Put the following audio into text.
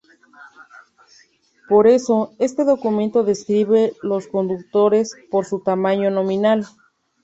Por eso este documento describe los conductores por su tamaño "nominal".